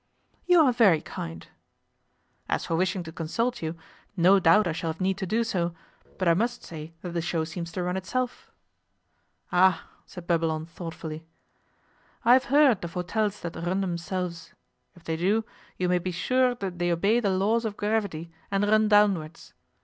'You are very kind.' 'As for wishing to consult you, no doubt I shall have need to do so, but I must say that the show seems to run itself.' 'Ah!' said Babylon thoughtfully. 'I have heard of hotels that run themselves. If they do, you may be sure that they obey the laws of gravity and run downwards.